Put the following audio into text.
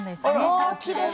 わきれい！